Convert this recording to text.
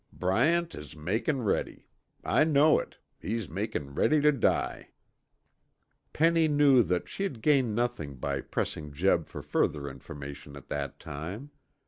Bryant is makin' ready. I know it, he's makin' ready tuh die." Penny knew that she'd gain nothing by pressing Jeb for further information at that time.